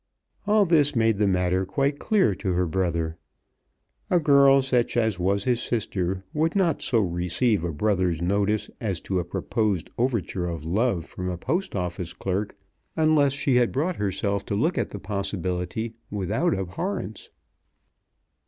All this made the matter quite clear to her brother. A girl such as was his sister would not so receive a brother's notice as to a proposed overture of love from a Post Office clerk, unless she had brought herself to look at the possibility without abhorrence.